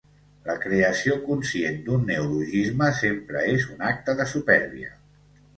La creació conscient d'un neologisme sempre és un acte de supèrbia.